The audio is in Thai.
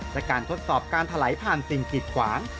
และการทดสอบการถลายผ่านสิ่งกิดขวาง